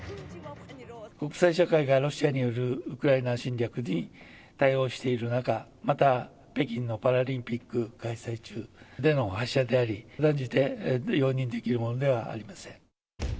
国際社会がロシアによるウクライナ侵略に対応している中、また北京のパラリンピック開催中での発射であり、断じて容認できるものではありません。